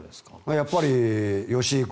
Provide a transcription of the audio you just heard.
やっぱり吉居君。